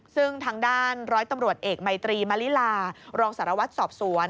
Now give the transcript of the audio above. ซึ่งทางด้านร้อยตำรวจเอกมัยตรีมลิลารองสารวัตรสอบสวน